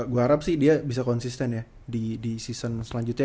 gue harap sih dia bisa konsisten ya di season selanjutnya